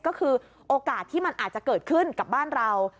ก็คือโอกาสที่มันอาจจะเกิดขึ้นกับบ้านเรา